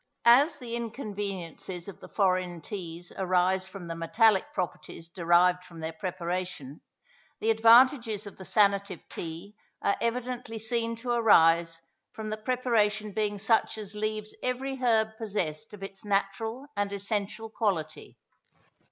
As the inconveniencies of the foreign teas arise from the metallic properties derived from their preparation, the advantages of the sanative tea are evidently seen to arise from the preparation being such as leaves every herb possessed of its natural and essential quality.